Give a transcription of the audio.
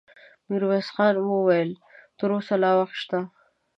ميرويس خان وويل: تر اوسه لا وخت شته.